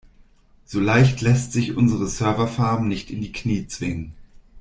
So leicht lässt sich unsere Serverfarm nicht in die Knie zwingen.